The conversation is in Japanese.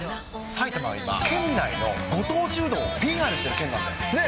埼玉は今、県内のご当地うどんをＰＲしている県なんです、ね？